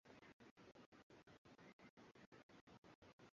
kule Yerusalemu Mitume yaani marafiki wa Yesu wa karibu waliotumwa